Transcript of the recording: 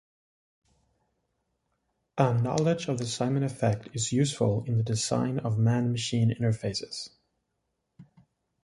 A knowledge of the Simon effect is useful in the design of man-machine interfaces.